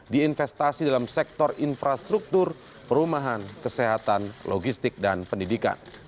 diinvestasi dalam sektor infrastruktur perumahan kesehatan logistik dan pendidikan